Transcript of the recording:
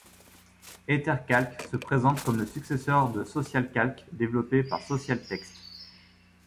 EtherCalc se présente comme le successeur de SocialCalc, développé par Socialtext.